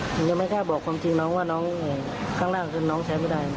หนูยังไม่กล้าบอกความจริงน้องว่าน้องข้างล่างขึ้นน้องแชร์ไม่ได้